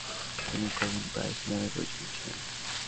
তিনি "Colin Price" নামেও পরিচিত ছিলেন।